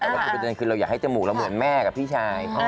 แต่เราคือเป็นอย่างนั้นคือเราอยากให้จมูกเราเหมือนแม่กับพี่ชาย